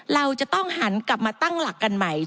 เราจะต้องหันกลับมาตั้งหลักกันใหม่